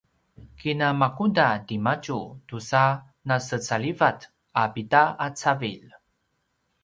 kinamakuda timadju tusa nasecalivat a pida a cavilj